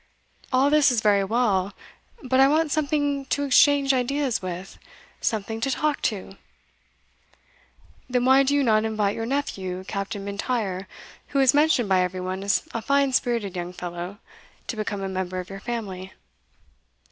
All this is very well; but I want something to exchange ideas with something to talk to." "Then why do you not invite your nephew, Captain M'Intyre, who is mentioned by every one as a fine spirited young fellow, to become a member of your family?"